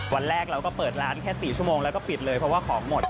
วันแรกเราก็เปิดร้านแค่๔ชั่วโมงแล้วก็ปิดเลยเพราะว่าของหมด